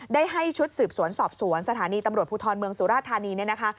ได้ให้ชุดสืบสวนสอบสวนสถานีตำรวจภูทรเมืองสุราธานีเนี่ยนะคะ